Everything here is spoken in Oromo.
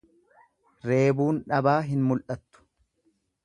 Reebuun dhabaa hin mul'attu.